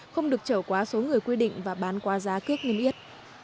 không được chở quá số người quy định và bán qua giá kiếp nghiêm yết